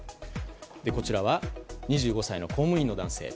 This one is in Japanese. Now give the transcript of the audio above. こちらは２５歳の公務員の男性。